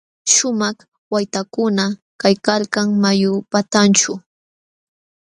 Śhumaq waytakuna kaykalkan mayu patanćhu.